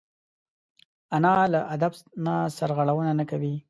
انا له ادب نه سرغړونه نه کوي